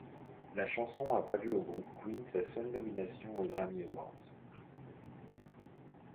La chanson a valu au groupe Queen sa seule nomination aux Grammy Awards.